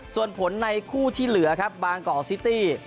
ส่วนผลในคู่ที่เหลือครับบางกอกซิตี้